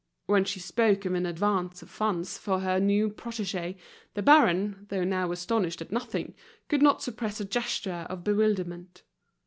When she spoke of an advance of funds for her new protegee, the baron, though now astonished at nothing, could not suppress a gesture of bewilderment.